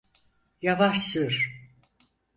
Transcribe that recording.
Yavaş sür.